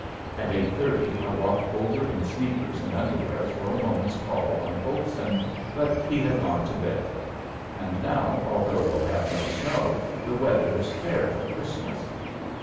At eight thirty I walked over in sneakers and underwear for a moment's call on Olson, but he had gone to bed. And now although we'll have no snow the weather is fair for Christmas.